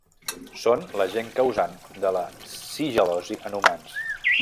Són l'agent causant de la shigel·losi en humans.